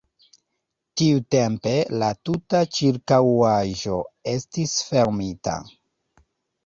Tiutempe la tuta ĉirkaŭaĵo estis fermita.